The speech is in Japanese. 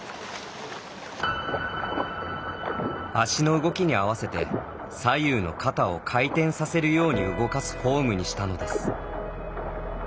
足の動きに合わせて左右の肩を回転させるように動かすフォームにしたのです。